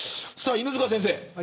犬塚先生